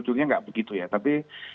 ujungnya nggak begitu ya tapi